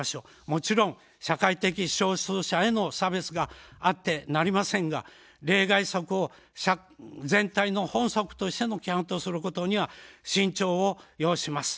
もちろん、社会的少数者への差別があってなりませんが例外則を全体の本則としての規範とすることには慎重を要します。